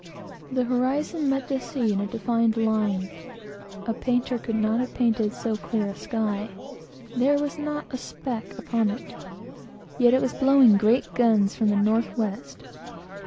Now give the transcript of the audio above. The horizon met the sea in a defined line. A painter could not have painted so clear a sky. There was not a speck upon it. Yet it was blowing great guns from the north west.